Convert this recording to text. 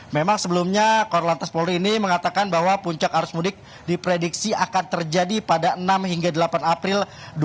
memang sebelumnya korlantas polri ini mengatakan bahwa puncak arus mudik diprediksi akan terjadi pada enam hingga delapan april dua ribu dua puluh